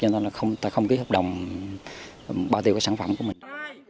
cho nên là không ký hợp đồng bao tiêu cái sản phẩm của mình